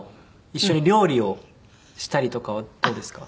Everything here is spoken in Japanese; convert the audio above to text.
一緒に料理をしたりとかはどうですか？